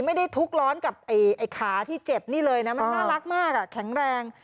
ไม่ได้ทุกข์ร้อนกับไอ้ขาที่เจ็บนี่เลยนะมันน่ารักมากแข็งแรง